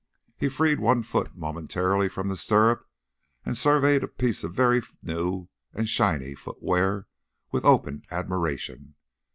He freed one foot momentarily from the stirrup and surveyed a piece of very new and shiny footware with open admiration.